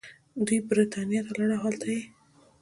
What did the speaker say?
دوي برطانيه ته لاړل او هلتۀ ئې